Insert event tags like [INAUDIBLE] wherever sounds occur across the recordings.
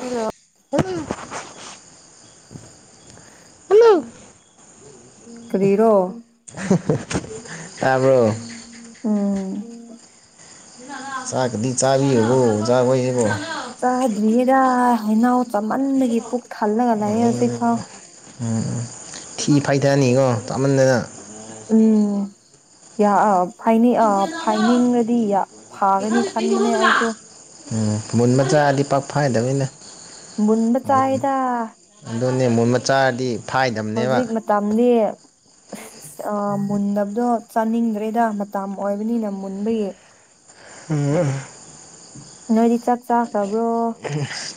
hello ꯀꯔꯤꯔꯣ ꯇꯥꯕ꯭ꯔꯣ [INAUDIBLE] ꯆꯥꯛꯀꯗꯤ ꯆꯥꯔꯤꯕ꯭ꯔꯣ ꯎꯖꯥꯍꯣꯢ ꯍꯦꯔꯣ ꯌꯥ ꯍꯩꯅꯧ ꯆꯥꯃꯟꯕꯒꯤ ꯄꯨꯛ ꯊꯜꯂꯒ ꯂꯩꯌꯦ ꯎꯝ ꯍꯧꯖꯤꯛꯐꯥꯎ ꯎꯝ ꯊꯤ ꯐꯥꯏꯊꯅꯤꯀꯣ ꯆꯥꯃꯟꯗꯅ ꯎꯝ ꯌ ꯑ ꯐꯅꯤꯡ ꯑ ꯐꯥꯏꯅꯤꯡꯔꯗꯤ ꯌ ꯐꯥꯒꯅꯤ ꯈꯟꯕꯅꯦ ꯑꯩꯁꯨ ꯑꯥ ꯃꯨꯟꯕ ꯆꯥꯔꯗꯤ ꯄꯥꯛꯐꯥꯏꯗꯝꯅꯤꯅ ꯃꯨꯟꯕ ꯆꯥꯥꯏꯌꯦꯗ ꯑꯗꯨꯅꯦ ꯃꯨꯟꯕ ꯆꯥꯔꯗꯤ ꯐꯥꯏꯗꯕꯅꯦꯕ ꯍꯧꯖꯤꯛ ꯃꯇꯝꯅꯤ ꯌꯥ ꯃꯨꯟꯗꯕꯗꯣ ꯆꯥꯅꯤꯡꯗ꯭ꯔꯦꯗ ꯃꯇꯝ ꯑꯣꯏꯕꯅꯤꯅ ꯃꯨꯟꯕꯒꯤ ꯎꯝ ꯅꯣꯏꯗꯤ ꯆꯥꯛ ꯆꯥꯈ꯭ꯔꯕ꯭ꯔꯣ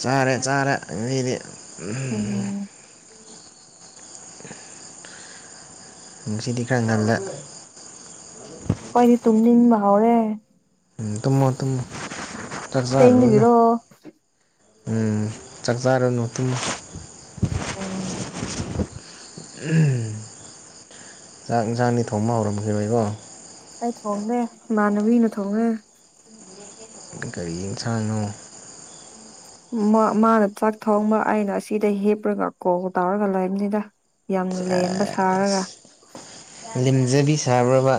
ꯆꯥꯔꯦ ꯆꯥꯔꯦ ꯉꯍꯤꯗꯤ ꯎꯝꯍꯨꯝ ꯎꯝ [INAUDIBLE] ꯉꯁꯤꯗꯤ ꯈꯔ ꯉꯜꯂꯦ ꯑꯈꯣꯏꯗꯤ ꯇꯨꯝꯅꯤꯡꯕ ꯍꯧꯔꯦ ꯎꯝ ꯇꯨꯝꯃꯣ ꯇꯨꯝꯃꯣ ꯆꯥꯛ ꯆꯥꯔꯨꯔꯅꯣ ꯊꯦꯡꯕꯒꯤꯔꯣ ꯎꯝ ꯆꯥꯛ ꯆꯥꯔꯨꯅꯣ ꯇꯨꯝꯃꯣ ꯎꯝ ꯑꯍꯝ ꯆꯥꯛ ꯌꯦꯟꯁꯥꯡꯗꯤ ꯊꯣꯡꯕ ꯍꯧꯔꯝꯈꯤꯔꯣꯏꯀꯣ ꯑꯩ ꯊꯣꯡꯗꯦ ꯏꯃꯥꯟꯅꯕꯤꯅ ꯊꯣꯡꯔꯦ ꯀꯔꯤ ꯌꯦꯟꯁꯥꯡꯅꯣ [INAUDIBLE] ꯃ ꯃꯥꯅ ꯆꯥꯛ ꯊꯣꯡꯕ ꯑꯩꯅ ꯑꯁꯤꯗ ꯍꯤꯞꯔꯒ ꯀꯣꯜ ꯇꯧꯔꯒ ꯂꯩꯕꯅꯤꯗ ꯌꯥꯝ ꯂꯦꯝꯕ ꯁꯥꯔꯒ ꯂꯦꯝꯖꯕꯤ ꯁꯕꯔ꯭ ꯕ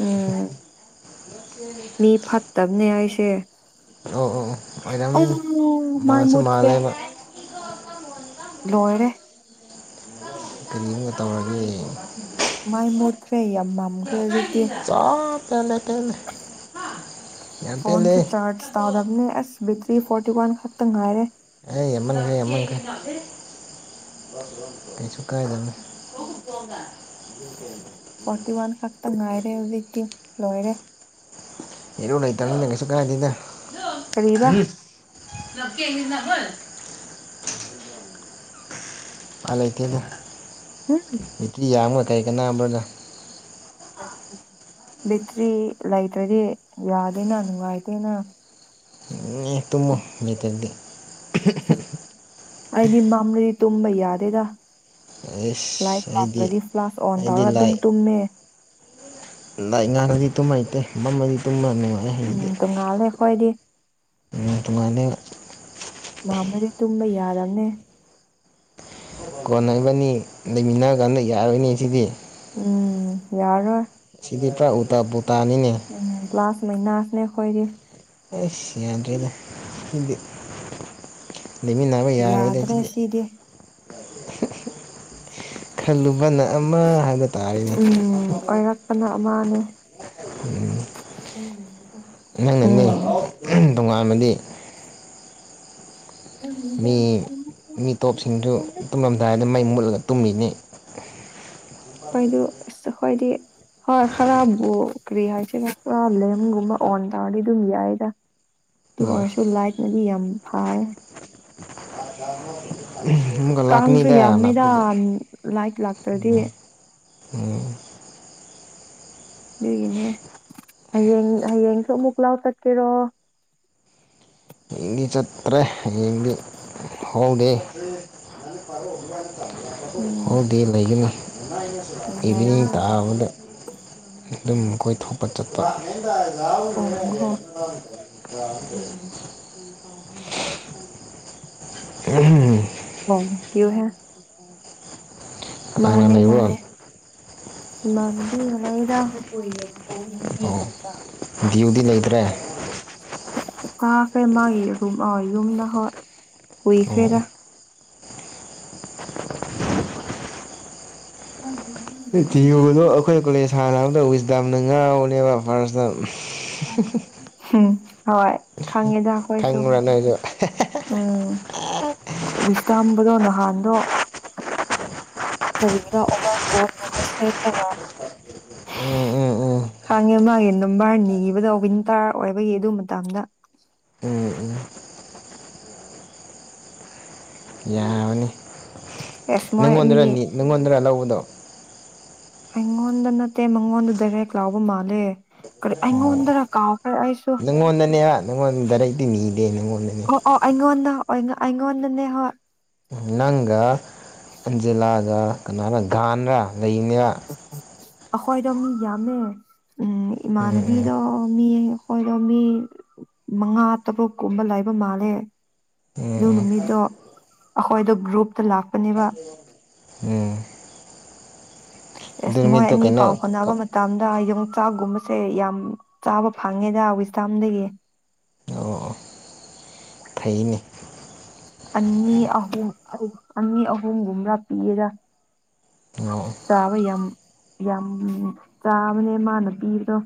ꯎꯝ ꯃꯤ ꯐꯠꯇꯝꯅꯦ ꯑꯩꯁꯦ ꯑꯣ ꯑꯣ ꯑꯣ ꯑꯣꯏꯔꯝꯅꯤ ꯑꯩ ꯃꯥꯏ ꯃꯥꯟꯁꯨ ꯃꯨꯠꯈ꯭ꯔꯦ ꯃꯥꯟꯂꯦꯕ ꯂꯣꯏꯔꯦ ꯀꯔꯤꯒꯨꯝ ꯇꯧꯔꯒꯦ ꯃꯩ ꯃꯨꯠꯈ꯭ꯔꯦ ꯌꯥꯝ ꯃꯝꯈ꯭ꯔꯦ ꯆꯞ ꯍꯧꯖꯤꯛꯇꯤ ꯄꯦꯜꯂꯦ ꯄꯦꯜꯂꯦ ꯌꯥꯝ ꯄꯦꯜꯂꯦ ꯐꯣꯟꯁꯨ ꯆꯥꯔꯁ ꯇꯧꯔꯝꯅꯦ ꯑꯁ ꯕꯦꯇ꯭ꯔꯤ ꯐꯣꯔꯇꯤꯋꯥꯟ ꯈꯛꯇ ꯉꯥꯏꯔꯦ ꯑꯩ ꯑꯃ [UNINTELLIGIBLE] ꯀꯩꯁꯨ ꯀꯥꯏꯗꯅꯣ [UNINTELLIGIBLE] ꯐꯣꯔꯇꯤꯋꯥꯟ ꯈꯛꯇ ꯉꯥꯏꯔꯦ ꯍꯧꯖꯤꯛꯇꯤ ꯂꯣꯏꯔꯦ ꯏꯔꯨ ꯂꯩꯇꯝꯅꯤꯅ ꯀꯩꯁꯨ ꯀꯥꯏꯗꯦꯗ ꯀꯔꯤꯕ [UNINTELLIGIBLE] ꯂꯥꯛꯀꯦ ꯑꯩ ꯅ ꯍꯣꯢ ꯎꯄꯥꯢ ꯂꯩꯇꯦꯗ ꯎꯝ ꯕꯦꯇ꯭ꯔꯤ ꯌꯥꯝꯃ ꯀꯔꯤ ꯀꯥꯟꯅꯕ꯭ꯔꯅ ꯕꯤꯠꯇ꯭ꯔꯤ ꯂꯩꯇ꯭ꯔꯗꯤ ꯌꯥꯗꯦꯅ ꯅꯨꯡꯉꯥꯏꯇꯦꯅ ꯑꯦ ꯇꯨꯝꯃꯣ ꯂꯩꯇ꯭ꯔꯗꯤ [UNINTELLIGIBLE] ꯑꯩꯗꯤ ꯃꯝꯔꯦ ꯇꯨꯝꯕ ꯌꯥꯗꯦꯗ ꯂꯥꯏꯠ ꯑꯩꯁ ꯑꯩꯗꯤ ꯂꯥꯛꯇ꯭ꯔꯗꯤ ꯐ꯭ꯂꯥꯁ ꯑꯣꯟ ꯑꯩꯗꯤ ꯇꯧꯔꯒ ꯑꯗꯨꯝ ꯂꯥꯏ ꯇꯨꯝꯃꯦ ꯂꯥꯏꯠ ꯉꯥꯡꯔꯗꯤ ꯇꯨꯝꯕ ꯍꯩꯇꯦ ꯃꯝꯃꯗꯤ ꯇꯨꯝꯕ ꯎꯝ ꯅꯨꯡꯉꯥꯏꯌꯦ [UNINTELLIGIBLE] ꯇꯣꯡꯉꯥꯜꯂꯦ ꯑꯩꯈꯣꯏꯗꯤ ꯎꯝ [UNINTELLIGIBLE] ꯉꯥꯟꯕꯒꯤ ꯇꯨꯝꯕ ꯌꯥꯔꯕꯅꯦ ꯀꯣꯟꯅ ꯏꯕꯅꯤ ꯂꯩꯃꯤꯟꯅ ꯀꯥꯟꯗ ꯌꯥꯔꯣꯏꯅꯦꯁꯤꯗꯤ ꯎꯝ ꯌꯥꯔꯣꯏ ꯁꯤꯅꯤꯄꯨꯔꯥ ꯎꯜꯇ ꯄꯨꯜ ꯎꯝ ꯀ꯭ꯂꯥꯁ ꯃꯩꯅꯥꯁꯅꯦ ꯑꯩꯈꯣꯏꯗꯤ ꯑꯩ ꯌꯥꯗꯔ꯭ꯦ ꯗ ꯁꯤꯗꯤ ꯂꯩꯃꯤꯟꯅꯕ ꯌꯥꯔꯣꯏꯗ ꯁꯤꯗꯤ ꯑꯍꯝ ꯍꯝ ꯈꯜꯂꯨꯕꯅ ꯑꯃ ꯍꯥꯏꯗꯣ ꯇꯥꯔꯤꯅꯦ ꯃꯥꯅꯦ ꯅꯪꯅꯅꯦ ꯑꯝ ꯇꯣꯉꯥꯟꯕꯗꯤ ꯃꯤ ꯃꯤꯇꯣꯞꯁꯤꯡꯁꯨ ꯑꯩꯈꯣꯏꯗꯨ ꯇꯨꯃꯝꯗꯥꯏꯗ ꯃꯩ ꯃꯨꯠꯂ ꯇꯨꯝꯃꯤꯅꯤ [INAUDIBLE] ꯑꯩꯈꯣꯏꯗꯨ ꯏꯁ ꯑꯩꯈꯣꯏꯗꯤ ꯍꯣꯏ ꯈꯔꯕꯨ ꯀꯔꯤ ꯍꯥꯏꯁꯤꯔ ꯈꯔ ꯂꯦꯝꯒꯨꯝꯕ ꯑꯣꯟ ꯇꯧꯔꯗꯤ ꯑꯗꯨꯝ ꯌꯥꯏꯗ ꯇꯨ ꯑꯗꯨꯒ ꯑꯣꯏꯔꯁꯨ ꯂꯥꯏꯠꯅꯗꯤ ꯌꯥꯝ ꯐꯥꯏ ꯀ ꯀꯥꯡꯁꯨ ꯂꯥꯛꯀꯅꯤꯗꯅ ꯌꯥꯝꯃꯦꯗ ꯂꯥꯛꯄꯗꯤ ꯂꯥꯏꯠ ꯂꯥꯛꯇ꯭ꯔꯗꯤ ꯎꯝ ꯎꯝ ꯑꯗꯨꯏꯒꯤꯅꯦ ꯍꯌꯦꯡ ꯍꯌꯦꯡꯁꯨ ꯑꯃꯨꯛ [UNINTELLIGIBLE] ꯆꯠꯀꯦꯔꯣ ꯏꯗꯤꯆꯠꯇ꯭ꯔꯦ ꯍꯌꯦꯡꯗꯤ ꯍꯣꯜꯗꯦ ꯎꯝ ꯍꯣꯜꯗꯦ ꯂꯩꯒꯅꯤ ꯏꯚꯤꯅꯤꯡ ꯅꯨꯡꯉꯥꯏꯅ ꯇꯥꯕꯗ ꯑꯗꯨꯝ ꯀꯣꯏꯊꯛꯄ ꯆꯠꯄ [UNINTELLIGIBLE] ꯄ ꯍꯨꯝ ꯆꯔꯩꯀꯣꯟ ꯎꯝ ꯍꯨꯝ ꯑꯣ ꯀꯋꯨꯍꯦ ꯀꯅꯥ ꯃꯥꯅꯦ ꯂꯩꯕ꯭ꯔꯣ ꯃꯥꯅꯦ ꯏꯃꯥꯟ ꯅꯕꯤ ꯑꯃꯥ ꯂꯩꯗ ꯗ꯭ꯌꯨꯗꯤ ꯂꯩꯇ꯭ꯔꯦ ꯀꯥꯈ꯭ꯔꯦ ꯃꯥꯒꯤꯔꯨꯝ ꯑꯣ ꯌꯨꯝꯗ ꯍꯣꯏ ꯑꯣ ꯀꯨꯏꯈ꯭ꯔꯦꯗ ꯗꯤꯌꯨꯗꯣ ꯑꯩꯈꯣꯏ ꯀꯣꯂꯦꯖ ꯐꯥꯔꯁꯅꯦꯜ ꯎꯝ ꯍꯥꯍꯥꯍꯥ ꯎꯝ ꯍꯣꯏ ꯈꯪꯉꯦꯗ ꯑꯩꯈꯣꯏꯁꯨ ꯅꯣꯏꯁꯨ ꯎꯝ ꯋꯤꯁꯇꯥꯝꯕꯗꯣ ꯅꯍꯥꯟꯗꯣ ꯀꯔꯤꯒꯤꯔ ꯑꯣꯚꯔ ꯀꯣꯠꯒꯨꯝꯕ ꯁꯦꯠꯂꯒ ꯎꯝ ꯎꯝ ꯎꯝ ꯍꯥꯡꯉꯦ ꯃꯥꯒꯤ ꯅꯝꯕꯔ ꯅꯤꯕꯗꯣ ꯋꯤꯟꯇꯔ ꯑꯣꯏꯕꯒꯤ ꯑꯗꯨ ꯃꯇꯝꯗ ꯎꯝ ꯎꯝ ꯑꯦꯁ ꯃꯣꯏ ꯑꯅꯤ ꯅꯪꯉꯣꯟꯗ꯭ꯔꯥ ꯅꯤ ꯅꯪꯉꯣꯟꯗ꯭ꯔꯥ ꯂꯧꯕꯗꯣ ꯑꯩꯉꯣꯟꯗ ꯅꯠꯇꯦ ꯃꯉꯣꯟꯗ ꯗꯥꯏꯔꯦꯛ ꯂꯥꯎꯕ ꯃꯥꯜꯂꯦ ꯀꯔꯤ ꯑꯩꯉꯣꯟꯗ꯭ꯔꯥ ꯀꯥꯎ ꯅꯪꯉꯣꯟꯗꯅꯦ ꯍꯥ ꯅꯪꯉꯣꯟ ꯗꯥꯏꯔꯦꯛꯇꯤ ꯅꯤꯗꯦ ꯅꯪꯉꯣꯟꯗꯅꯦ ꯑꯣꯏ ꯑꯩꯉꯣꯅꯟꯗꯅꯦ ꯍꯣꯏ ꯅꯪꯒ ꯑꯟꯖꯤꯂꯥꯒ ꯀꯅꯔꯥ ꯒꯥꯟꯔꯥ ꯂꯩꯅꯦꯕ ꯑꯩꯈꯣꯏꯗꯣ ꯃꯤ ꯌꯥꯝꯃꯦ ꯎꯝ ꯎꯝ ꯎꯝ ꯏꯃꯥꯟꯅꯕꯤꯗꯣ ꯃꯤ ꯑꯩꯈꯣꯏꯗꯣ ꯃꯤ ꯃꯉꯥ ꯇꯔꯨꯛ ꯀꯨꯝꯕ ꯂꯩꯕ ꯃꯥꯜꯂꯦ ꯎꯝ ꯑꯗꯨ ꯎꯝ ꯅꯨꯃꯤꯠꯇꯣ ꯑꯩꯈꯣꯏꯗꯣ ꯒ꯭ꯔꯨꯞꯇ ꯂꯥꯛꯄꯅꯦꯕ ꯎꯝ ꯑꯗꯨ ꯑꯦꯁ ꯃꯣꯏ ꯅꯨꯃꯤꯠꯇꯣ ꯑꯅꯤ ꯄꯥꯎ ꯀꯩꯅꯣ ꯐꯣꯅꯕ ꯑꯣ ꯃꯇꯝꯗ ꯌꯣꯡ ꯆ ꯆꯥꯛꯒꯨꯝꯕꯁꯦ ꯌꯥꯝ ꯆꯥꯕ ꯐꯪꯉꯦꯗ ꯋꯤꯁꯗꯝꯗꯒꯤ ꯑꯣ ꯐꯩꯅꯦ ꯑꯅꯤ ꯑꯍꯨꯝ ꯑꯅꯤ ꯑꯍꯨꯝꯒꯨꯝꯔꯥ ꯄꯤꯌꯦꯗ ꯑꯣ ꯆꯥꯕ ꯌꯥꯝ ꯌꯥꯝ ꯆꯥꯕꯅꯦ ꯃꯥꯅ ꯄꯤꯕꯗꯣ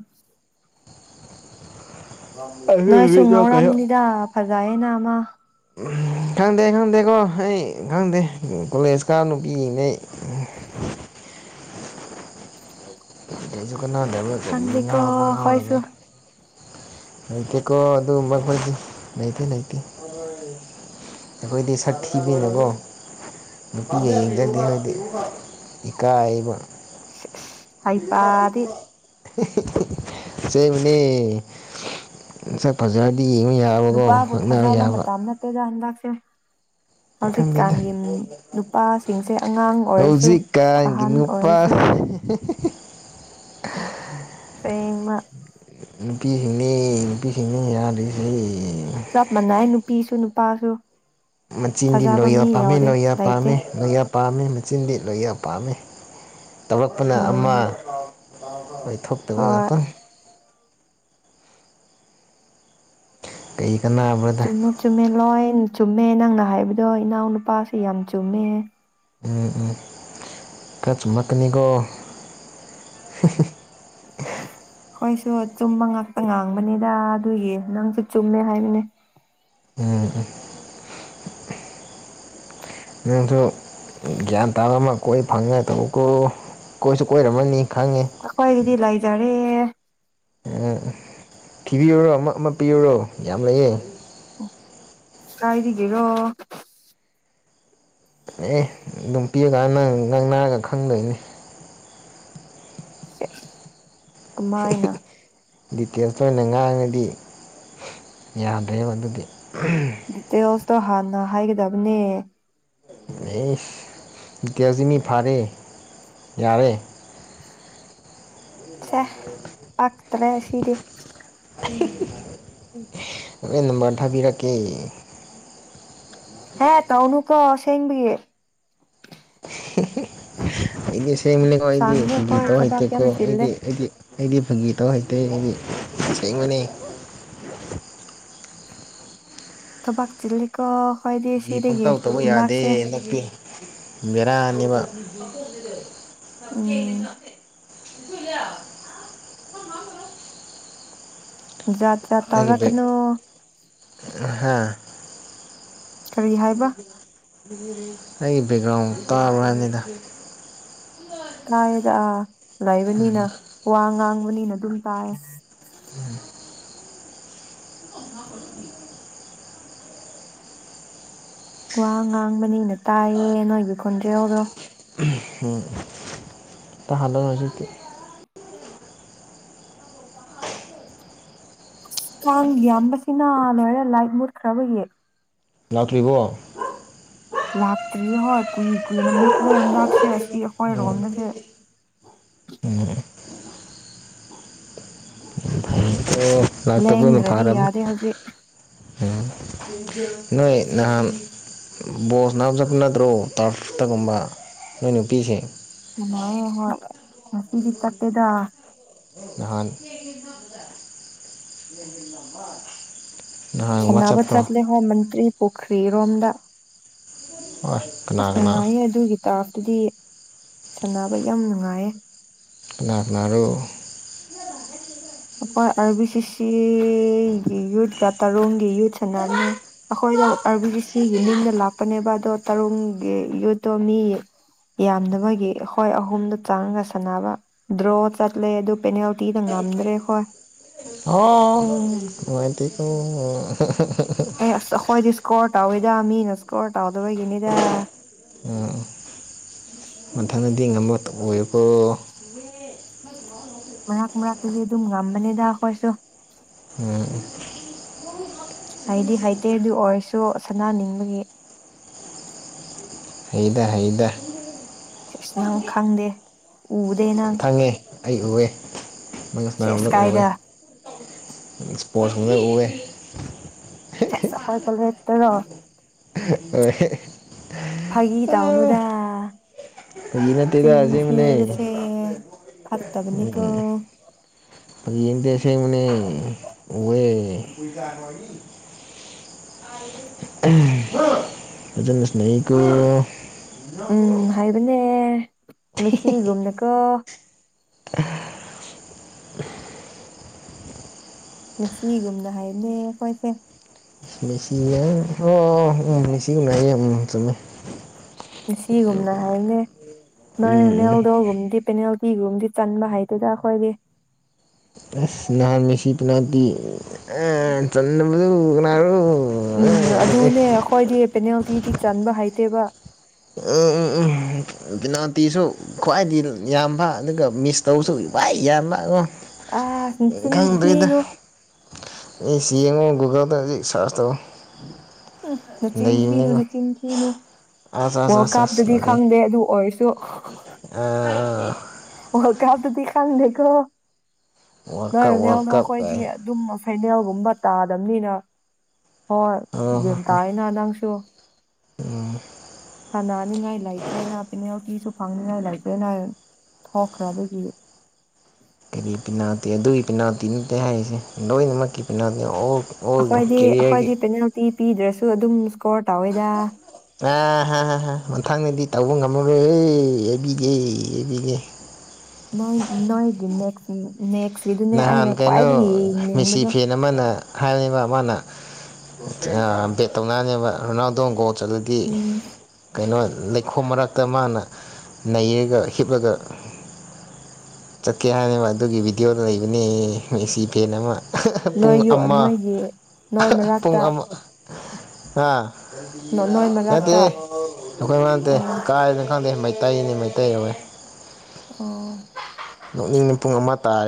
ꯑꯗꯨ ꯅꯣꯏꯁꯨ ꯅꯨꯃꯤꯠꯇꯣ ꯀꯩꯅꯣ ꯉꯧꯔꯝꯅꯤꯗ ꯐꯖꯩꯌꯦꯅ ꯃꯥ ꯈꯪꯗꯦ ꯈꯪꯗꯦꯀꯣ ꯑꯩ ꯈꯪꯗꯦ ꯀꯣꯂꯦꯖꯀꯥ ꯅꯨꯄꯤ ꯌꯦꯡꯗꯦ ꯑꯩ [INAUDIBLE] ꯀꯅꯥꯗꯕ꯭ꯔꯥ ꯀ꯭ꯔꯤ ꯈꯪꯗꯦꯀꯣ ꯉꯥꯡꯕ ꯑꯩꯈꯣꯏꯁꯨ ꯉꯥꯡꯅꯨꯅꯦ ꯂꯩꯇꯦꯀꯣ ꯑꯗꯨꯒꯨꯝꯕ ꯑꯩꯈꯣꯏꯗꯤ ꯂꯩꯇꯦ ꯂꯩꯇꯦ ꯑꯩꯈꯣꯏꯗꯤ ꯁꯛꯊꯤꯕꯅꯤꯅꯀꯣ ꯅꯨꯄꯤ ꯌꯦꯡꯖꯥꯗꯦ ꯑꯩꯈꯣꯏꯗꯤ ꯏꯀꯥꯏꯌꯦꯕ ꯄꯨꯨꯄꯨꯒ ꯍꯩꯄꯥꯗꯤ ꯄꯨꯄꯨꯒ ꯍꯤꯍꯤꯍꯤ ꯑꯁꯦꯡꯕꯅꯦ ꯁꯛꯐꯖꯥꯔꯗꯤ ꯌꯦꯡꯕ ꯌꯥꯕꯀꯣ ꯂꯛꯅꯕ ꯌꯥꯕ ꯂꯥꯛꯁꯦ ꯈꯪꯗꯦꯗ ꯍꯧꯖꯤꯛꯀꯥꯟꯒꯤ ꯅꯨꯄꯥꯁꯤꯡꯁꯦ ꯑꯉꯥꯡ ꯑꯣꯏꯔꯁꯨ ꯑꯍꯟ ꯑꯣꯏꯔꯁꯨ ꯍꯦꯍꯦꯍꯦꯍꯦ ꯑꯁꯦꯡꯕ ꯅꯨꯄꯤ ꯁꯤꯡꯅꯤ ꯅꯨꯄꯤ ꯁꯤꯡꯅꯤ ꯌꯥ꯭ꯗꯔꯤ ꯁꯦ ꯄꯤꯁꯨ ꯅꯨꯄꯥꯁꯨ ꯃꯆꯤꯟꯗꯤ ꯊꯥꯖꯕ ꯂꯣꯌꯦꯜ ꯃꯤ ꯄꯥꯝꯃꯦ ꯌꯥꯎꯗꯦ ꯂꯣꯌꯦꯜ ꯂꯩꯇꯦ ꯄꯥꯝꯃꯦ ꯂꯣꯌꯦꯜ ꯄꯥꯝꯃꯦ ꯃꯆꯤꯟꯗꯤ ꯂꯣꯌꯜ ꯄꯥꯝꯃꯦ ꯇꯧꯔꯛꯄꯅ ꯎꯝ ꯑꯃ ꯊꯣꯛꯇꯕ ꯍꯣꯏ ꯉꯥꯄꯪ ꯀꯩ ꯀꯥꯟꯅꯕ꯭ꯔꯗ ꯆꯨꯝꯃꯨ ꯆꯨꯝꯃꯦ ꯂꯣꯏ ꯆꯨꯝꯃꯦ ꯅꯪꯅ ꯍꯥꯏꯕꯗꯣ ꯏꯅꯥꯎꯅꯨꯄꯥꯁꯤ ꯌꯥꯝ ꯆꯨꯝꯃꯦ ꯎꯝ ꯎꯝ ꯈꯔ ꯆꯨꯝꯃꯛ ꯀꯅꯤꯀꯣ ꯍꯪꯍꯪ [INAUDIBLE] ꯑꯩꯁꯨ ꯑꯆꯨꯝꯕ ꯉꯥꯛꯇ ꯉꯥꯡꯕꯅꯤꯗ ꯑꯗꯨꯒꯤ ꯅꯪꯁꯨ ꯆꯨꯝꯃꯦ ꯍꯥꯏꯕꯅꯦ ꯎꯝ ꯅꯪꯁꯨ ꯒ꯭ꯌꯥꯟ ꯇꯥꯕ ꯑꯃ ꯀꯣꯏ ꯐꯪꯉꯥꯏ ꯇꯧꯀꯣ ꯀꯣꯏꯁꯨ ꯀꯣꯏꯔꯝꯃꯅꯤ ꯈꯪꯉꯦ ꯑꯈꯣꯏꯒꯤꯗꯤ ꯂꯩꯖꯔꯦ ꯊꯤꯕꯤꯌꯨꯔꯣ ꯑꯃ ꯑꯃ ꯄꯤꯌꯨꯔꯣ ꯌꯥꯝ ꯂꯩꯌꯦ ꯀꯥꯏꯗꯒꯤꯔꯣ ꯑꯦ ꯑꯗꯨꯝ ꯄꯤꯔꯒꯥꯟꯅ ꯉꯥꯡꯅꯔꯒ ꯈꯪꯗꯣꯏꯅꯦ ꯁꯦꯁ ꯀꯃꯥꯏꯅ ꯗꯤꯇꯦꯜꯁꯇ ꯑꯣꯏꯅ ꯉꯥꯡꯉꯗꯤ ꯌꯥꯗ꯭ꯔꯦꯕ ꯑꯗꯨꯒꯤ ꯗꯤꯇꯦꯜꯁꯇꯣ ꯍꯥꯟꯅ ꯍꯥꯏꯒꯗꯕꯅꯦ ꯏꯁ ꯗꯤꯇꯦꯜꯁꯇꯤ ꯃꯤ ꯐꯥꯔꯦ ꯌꯥꯔꯦ ꯁꯦ ꯄꯛꯇ꯭ꯔꯦ ꯁꯤꯗꯤ [UNINTELLIGIBLE] ꯍꯣꯔꯦꯟ ꯅꯝꯕꯔ ꯊꯥꯕꯤꯔꯛꯀꯦ ꯍꯦ ꯇꯧꯅꯨꯀꯣ ꯑꯁꯦꯡꯕꯒꯤ [UNINTELLIGIBLE] ꯑꯩꯗꯤ ꯑꯁꯦꯡꯕꯅꯤꯀꯣ ꯑꯩꯗꯤ ꯁꯥꯡꯗꯦ ꯐꯥꯒꯤ ꯍꯣꯏ ꯇꯧ ꯊꯕꯛ ꯌꯥꯝ ꯍꯩꯇꯦꯀꯣ ꯆꯤꯜꯂꯦ ꯑꯩꯗꯤ ꯑꯩꯗꯤ ꯑꯩꯗꯤ ꯐꯥꯒꯤ ꯇꯧ ꯍꯩꯇꯦ ꯑꯩꯗꯤ ꯑꯁꯦꯡꯕꯅꯦ ꯊꯕꯥꯛ ꯆꯤꯜꯂꯤꯀꯣ ꯑꯩꯈꯣꯏꯗꯤ ꯐꯥꯒꯤ ꯁꯤꯗꯒꯤ ꯄꯪꯇꯧ ꯇꯧꯕ ꯌꯥꯗꯦ ꯍꯟꯗꯛꯁꯦ ꯍꯟꯗꯛꯇꯤ ꯕꯦꯔꯥꯅꯦꯕ ꯎꯝ [UNINTELLIGIBLE] ꯖꯥꯠ ꯖꯥꯠ ꯑꯩꯒꯤ ꯕꯦꯛ ꯇꯧꯔꯛꯀꯅꯨ ꯍꯥ ꯀꯔꯤ ꯍꯥꯏꯕ ꯑꯩ ꯕꯦꯛꯒ꯭ꯔꯥꯎꯟ ꯇꯥꯕ꯭ꯔ ꯍꯥꯏꯕꯅꯤꯗ ꯀꯥꯏꯗ ꯑꯥ ꯂꯩꯕꯅꯤꯅ ꯋꯥ ꯉꯥꯡꯕꯅꯤꯅ ꯑꯗꯨꯝ ꯇꯥꯏ ꯎꯝ [INAUDIBLE] ꯋꯥ ꯉꯥꯡꯕꯅꯤꯅ ꯇꯥꯏꯌꯦ ꯅꯣꯏꯒꯤ ꯈꯣꯟꯖꯦꯜꯗꯣ ꯎꯝ ꯇꯥꯍꯜꯂꯔꯣꯏ ꯍꯧꯖꯤꯛꯇꯤ ꯑꯁ ꯀꯥꯡ ꯌꯥꯝꯕꯁꯤꯅ ꯂꯣꯏꯔꯦ ꯂꯥꯏꯠ ꯃꯨꯠꯈ꯭ꯔꯕꯒꯤ ꯂꯥꯛꯇ꯭ꯔꯤꯕꯣ ꯂꯥꯛꯇ꯭ꯔꯤ ꯍꯣꯏ ꯀꯨꯏ ꯀꯨꯏꯅ ꯃꯨꯠꯂꯦ ꯍꯟꯗꯥꯛꯁꯦ ꯑꯁꯤ ꯑꯩꯈꯣꯏꯔꯣꯝꯗꯁꯦ ꯑꯝ ꯑꯣ ꯂꯥꯛꯇꯕꯅ ꯂꯦꯡꯗ꯭ꯔꯗꯤ ꯐꯥꯔꯕꯅꯤ ꯌꯥꯗꯦ ꯍꯧꯖꯤꯛ ꯎꯝ ꯅꯣꯏ ꯅꯍꯥꯟ ꯕꯣꯜ ꯁꯥꯅꯕ ꯆꯠꯄ ꯅꯠꯇ꯭ꯔꯣ ꯇꯔꯐꯇꯒꯨꯝꯕ ꯅꯣꯏ ꯅꯨꯄꯤꯁꯤꯡ ꯎꯅꯌꯦ ꯍꯣꯏ ꯉꯁꯤꯗꯤ ꯆꯠꯇꯦꯗ ꯅꯍꯥꯟ [UNINTELLIGIBLE] ꯁꯥꯟꯅꯕ ꯆꯠꯄ꯭ꯔꯣ ꯆꯠꯂꯦ ꯍꯣ ꯃꯟꯇ꯭ꯔꯤ ꯄꯨꯈ꯭ꯔꯤꯔꯣꯝꯗ ꯍꯣꯏ ꯑꯁ ꯀꯅꯥ ꯀꯅꯥ ꯅꯨꯡꯉꯥꯏꯌꯦ ꯑꯗꯨꯒꯤ ꯇꯥꯔꯐꯇꯨꯗꯤ ꯁꯥꯟꯅꯕ ꯌꯥꯝ ꯅꯨꯡꯉꯥꯏꯌꯦ ꯀꯅꯥ ꯀꯅꯥꯔꯣ ꯑꯩꯈꯣꯏ ꯑꯥꯔ ꯕꯤ ꯁꯤ ꯁꯤꯒꯤ ꯌꯨꯠꯀ ꯇꯔꯨꯡꯒꯤ ꯌꯨꯠ ꯁꯥꯟꯅꯕꯅꯦ ꯑꯩꯈꯣꯏꯗꯣ ꯑꯥꯔ ꯕꯤ ꯁꯤ ꯁꯤꯒꯤ ꯃꯤꯡꯗ ꯂꯥꯛꯄꯅꯦꯕ ꯑꯗꯣ ꯇꯔꯨꯡꯒꯤ ꯌꯨꯠꯇꯣ ꯃꯤ ꯌꯥꯝꯗꯕꯒꯤ ꯑꯈꯣꯏ ꯑꯍꯨꯝꯗꯣ ꯆꯪꯉꯒ ꯁꯥꯟꯅꯕ ꯗ꯭ꯔꯣ ꯆꯠꯂꯦ ꯑꯗꯨ ꯄꯦꯅꯦꯜꯇꯤꯗ ꯉꯝ ꯉꯝꯗ꯭ꯔꯦ ꯑꯩꯈꯣꯏ ꯍꯣ ꯅꯨꯡꯉꯥꯢꯇꯦꯀꯣ [UNINTELLIGIBLE] ꯍꯦ ꯑꯁ ꯑꯩꯈꯣꯏꯗꯤ ꯏꯁꯀꯣꯔ ꯇꯧꯋꯤꯗ ꯃꯤꯅ ꯏꯁꯀꯣꯔ ꯇꯧꯗꯕꯒꯤꯅꯤꯗ ꯎꯝ ꯃꯊꯪꯗꯗꯤ ꯉꯝꯕ ꯑꯣꯏꯌꯨꯀꯣ ꯃꯔꯥꯛ ꯃꯔꯥꯛꯇꯗꯤ ꯑꯗꯨꯝ ꯉꯝꯕꯅꯤꯗ ꯑꯈꯣꯢꯁꯨ ꯎꯝ ꯍꯥꯏꯗꯤ ꯍꯩꯇꯦ ꯑꯗꯨ ꯑꯣꯏꯔꯁꯨ ꯁꯥꯅꯅꯤꯡꯕꯒꯤ ꯍꯩꯗ ꯍꯩꯗ ꯁꯤꯏꯁ ꯅꯪ ꯈꯪꯗꯦ ꯎꯗꯦ ꯅꯪ ꯈꯪꯉꯦ ꯑꯩ ꯎꯋꯦ ꯅꯪꯅ ꯁꯦꯁ ꯁꯥꯟꯅꯕꯗꯣ ꯎꯋꯦ ꯀꯥꯏꯗ [UNINTELLIGIBLE] ꯎꯋꯦ ꯁꯦꯁ ꯑꯈꯣꯢ ꯀꯣꯂꯦꯖꯇꯔꯣ ꯍꯣꯏ ꯐꯥꯒꯤ ꯇꯧꯅꯨꯗ ꯐꯥꯒꯤ ꯅꯠꯇꯦꯗ ꯆꯤꯟ ꯑꯁꯦꯡꯕꯅꯦ ꯊꯤꯕꯁꯦ ꯐꯠꯇꯕꯅꯤꯀꯣ ꯐꯒꯤ ꯅꯠꯇꯦ ꯑꯁꯦꯡꯕꯅꯦ ꯎꯋꯦ ꯍꯝ ꯐꯖꯅ ꯁꯥꯟꯅꯩꯀꯣ ꯎꯝ ꯍꯩꯕꯅꯦ ꯃꯦꯁꯤꯒꯨꯝꯅꯀꯣ ꯃꯦꯁꯤꯒꯤꯒꯨꯝꯅ ꯍꯩꯕꯅꯦ ꯑꯩꯈꯣꯏꯁꯦ ꯃꯤꯁꯤ ꯑꯣ ꯎꯝ ꯃꯤꯦꯁꯤꯒꯨꯝ ꯌꯥꯝ ꯎꯝ ꯆꯨꯝꯃꯦ ꯃꯦꯁꯤꯒꯨꯝꯅ ꯍꯥꯏꯕꯅꯦ ꯅꯪ ꯎꯝ ꯎꯝ ꯔꯣꯅꯥꯜꯗꯣꯒꯨꯝ ꯄꯦꯅꯥꯜꯇꯤꯒꯨꯝꯕꯗꯤ ꯆꯟꯕ ꯍꯩꯇꯦꯗ ꯑꯩꯈꯣꯏꯒꯤ ꯅꯍꯥꯟ ꯃꯦꯁꯤ ꯄꯦꯅꯥꯜꯇꯤ ꯑꯥ ꯆꯟꯗꯕꯗꯣ ꯀꯅꯥꯔꯣ ꯎꯝ ꯑꯗꯨꯅꯦ ꯑꯩꯈꯣꯏꯗꯤ ꯄꯦꯅꯥꯜꯇꯤꯗꯤ ꯆꯟꯕ ꯍꯩꯇꯦꯕ ꯎꯝ ꯎꯝ ꯎꯝ ꯄꯤꯅꯥꯜꯇꯤꯁꯨ ꯈ꯭ꯋꯥꯏꯗꯒꯤ ꯌꯥꯝꯕ ꯑꯗꯨꯒ ꯃꯤꯁ ꯇꯧꯕꯁꯨ ꯈ꯭ꯋꯥꯏ ꯗꯩ ꯌꯥꯝꯕ ꯑꯝ ꯑꯥ ꯅꯆꯤꯟ ꯈꯪꯗ꯭ꯔꯦꯗ ꯊꯤꯅꯨ ꯃꯦꯁꯤ ꯌꯦꯡꯉꯨ ꯒꯨꯒꯜꯗ ꯍꯧꯖꯤꯛ ꯁꯔꯁ ꯇꯧ ꯍꯪ ꯅꯆꯤꯟ ꯊꯤꯅꯨ ꯂꯩꯕꯅꯤꯀꯣ ꯅꯆꯤꯟ ꯊꯤꯅꯨ ꯑꯁ ꯑꯁ ꯋꯥꯔꯜ ꯑꯁ ꯀꯞꯇꯗꯤ ꯈꯪꯗꯦ ꯑꯗꯨ ꯑꯣꯏꯔꯁꯨ ꯑꯥ ꯑꯥ ꯑꯥ ꯋꯥꯔꯜ ꯀꯞꯇꯗꯤ ꯈꯪꯗꯦꯀꯣ ꯋꯥꯔꯜ ꯅꯣꯏ ꯀꯞ ꯋꯥꯔꯜ ꯔꯣꯅꯥꯜꯗꯣ ꯀꯞ ꯈꯣꯏꯗꯤ ꯀꯥꯏꯅ ꯑꯗꯨꯝ ꯃꯁ ꯐꯥꯏꯅꯦꯜꯒꯨꯝꯕ ꯇꯥꯗꯕꯅꯤꯅ ꯍꯣꯏ ꯒ꯭ꯌꯥꯟ ꯇꯥꯢꯅ ꯅꯪꯁꯨ ꯎꯝ ꯁꯥꯅꯅꯤꯡꯉꯥꯏ ꯂꯩꯇꯦꯅ ꯄꯦꯅꯥꯜꯇꯤ ꯁꯨ ꯐꯪꯅꯤꯉꯥꯏ ꯂꯩꯇꯦꯅ ꯊꯣꯛꯈ꯭ꯔꯕꯒꯤ ꯀꯔꯤ ꯄꯦꯅꯥꯜꯇꯤ ꯑꯗꯨꯒꯤ ꯄꯤꯅꯥꯜꯇꯤ ꯅꯠꯇꯦ ꯍꯥꯏꯁꯦ ꯂꯣꯏꯅꯃꯛꯀꯤ ꯄꯤꯅꯥꯜꯇꯤ ꯑꯣꯜ ꯑꯣꯜ ꯑꯩꯈꯣꯏꯗꯤ ꯀꯦꯔꯤꯌꯔꯒꯤ ꯑꯩꯈꯣꯏꯗꯤ ꯄꯦꯅꯥꯜꯇꯤ ꯄꯤꯗ꯭ꯔꯁꯨ ꯑꯗꯨꯝ ꯏꯁꯀꯣꯔ ꯇꯧꯋꯦꯗ ꯑꯥ ꯍꯥ ꯍꯥ ꯍꯥꯥ ꯃꯊꯪꯅꯗꯤ ꯇꯧꯕ ꯉꯝꯃꯔꯣꯏꯌꯦ ꯍꯥꯢꯕꯤꯒꯦ ꯍꯥꯢꯕꯤꯒꯦ ꯅꯣꯢ ꯅꯣꯏꯒꯤ ꯅꯦꯛꯁ ꯅꯦꯛꯁ ꯅꯍꯥꯟ ꯀꯩꯅꯣ ꯃꯦꯁꯤ ꯐꯦꯟ ꯑꯃꯅ ꯍꯥꯏꯕꯅꯦꯕ ꯃꯥꯅ ꯑꯥ ꯕꯦꯠ ꯇꯧꯅꯔꯅꯤꯕ ꯔꯣꯅꯥꯜꯗꯣ ꯒꯣꯜ ꯆꯜꯂꯗꯤ ꯎꯝ ꯀꯩꯅꯣ ꯂꯩꯈꯣꯝ ꯃꯔꯛꯇ ꯃꯥꯅ ꯅꯩꯔꯒ ꯍꯤꯞꯂꯒ ꯆꯠꯀꯦ ꯍꯥꯏꯅꯦꯕ ꯑꯗꯨꯒꯤ ꯚꯤꯗꯤꯑꯣꯗ ꯂꯩꯕꯅꯦ ꯃꯦꯁꯤ ꯐꯦꯟ ꯑꯃ ꯑꯍꯥ ꯑꯍꯥ ꯄꯨꯡ ꯅꯣꯏ ꯌꯨ ꯑꯃ ꯅꯣꯏꯒꯤ ꯅꯣꯏ ꯑꯍꯥ ꯄꯨꯡ ꯃꯔꯛꯇ ꯑꯃ ꯑꯥ ꯅꯣꯏ ꯃꯔꯛꯇ ꯅꯠꯇꯦꯍꯦ ꯅꯈꯣꯢꯗ ꯅꯠꯇꯦ ꯑꯣ ꯀꯥꯏꯗꯅꯣ ꯈꯪꯗꯦ ꯃꯩ ꯇꯩꯅꯦ ꯃꯩꯇꯩ ꯑꯣꯏ ꯑꯣ ꯅꯣꯛꯅꯤꯡꯉꯦ ꯄꯨꯡ ꯑꯃ ꯇꯥꯔꯦ